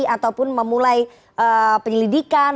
ataupun memulai penyelidikan